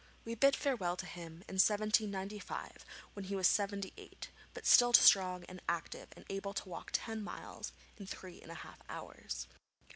We bid farewell to him in 1795 when he was seventy eight, but still strong and active and able to walk ten miles in three and a half hours.